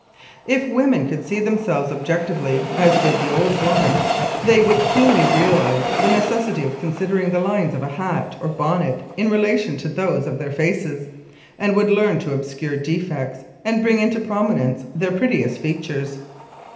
If woman could see themselves objectively, as did the old woman, they would keenly realize the necessity of considering the lines of hat or bonnet in relation to those of their faces, and would learn to obscure defects and bring into prominence their prettiest features.